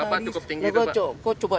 kan survei bapak cukup tinggi itu pak